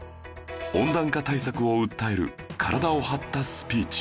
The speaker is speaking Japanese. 温暖化対策を訴える体を張ったスピーチ